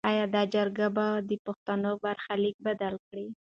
ایا دا جرګه به د پښتنو برخلیک بدل کړي؟